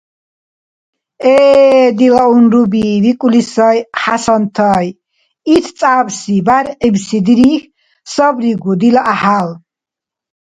— Э-э, дила унруби, — викӀули сай ХӀясантай, — Ит цӀябси, бяргӀибси дирихь сабригу дила гӀяхӀял.